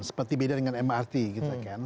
seperti beda dengan mrt gitu kan